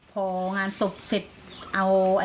พองานศพเสร็จ